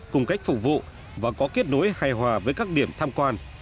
cùng cách phục vụ và có kết nối hài hòa với các điểm tham quan